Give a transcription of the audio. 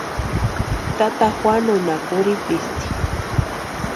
Tata Juanonha kurhipisti.